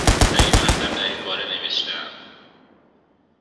در این مطلب در این باره نوشتهام